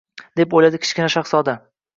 — deb o‘yladi Kichkina shahzoda.